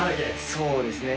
そうですね。